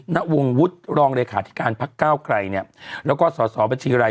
ณวงวุฒิรองรายขาธิการพักเก้าไกรเนี้ยแล้วก็สอบสอบวันทีอะไร